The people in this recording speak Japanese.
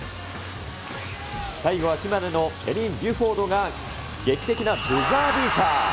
最後は島根のペリン・ビュフォードが劇的なブザービーター。